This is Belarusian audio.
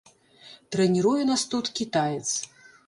Трэніруе нас тут кітаец.